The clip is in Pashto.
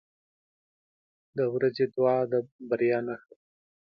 • د ورځې دعا د بریا نښه ده.